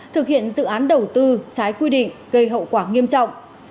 thực hiện dự án đầu tư trái quy định gây hậu quả nghiêm trọng